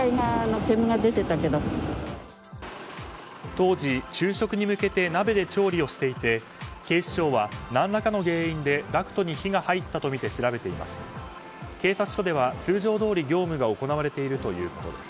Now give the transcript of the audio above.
当時、昼食に向けて鍋で調理をしていて警視庁は何らかの原因でダクトに火が入ったとみて調べています。